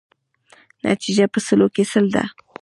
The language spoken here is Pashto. نتیجه په سلو کې سل ده.